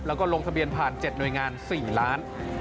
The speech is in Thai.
แล้วก็ลงทะเบียนผ่าน๗หน่วยงาน๔ล้าน